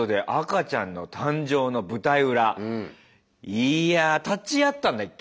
いやぁ立ち会ったんだっけ？